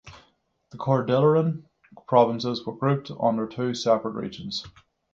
The Cordilleran provinces were grouped under two separate regions.